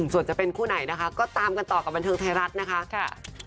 ส่วนจะเป็นคู่ไหนนะคะก็ตามกันต่อกับบันเทิงไทยรัฐนะคะ